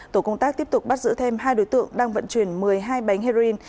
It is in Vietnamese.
tổ công tác tiếp tục bắt giữ thêm hai đối tượng đang vận chuyển một mươi hai bánh heroin